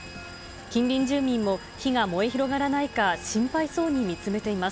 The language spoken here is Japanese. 近隣住民も、火が燃え広がらないか、心配そうに見つめています。